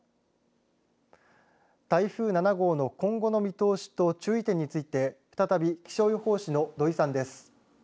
台風７号の今後の見通しと注意点について再び気象予報士の土井さんです。